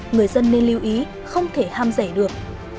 người dân nên lưu ý không thể ham rẻ được